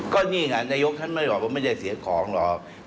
ก็นี่ไงนายกท่านไม่บอกว่าไม่ได้เสียของหรอก